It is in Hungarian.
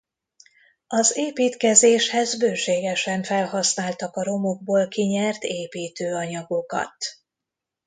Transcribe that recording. Az építkezéshez bőségesen felhasználtak a romokból kinyert építőanyagokat.